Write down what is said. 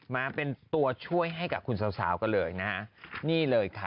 มาเป็นตัวช่วยให้กับคุณสาวกันเลยนะฮะนี่เลยค่ะ